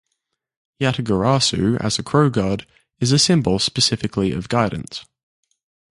Yatagarasu as a crow-god is a symbol specifically of guidance.